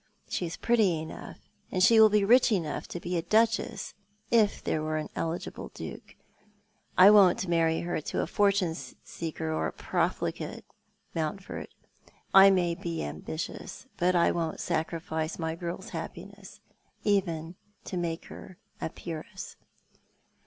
She is pretty enough, and she will be rich enough to be a Duchess — if there were an eligible Duke. I won't marry her to a fortune seeker or a profligate, Monntford. I may be ambitious, but I won't sacrifice my girl's happiuesSj even to make her a peeress."